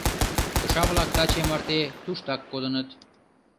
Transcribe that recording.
Кыша-влак таче марте туштак кодыныт.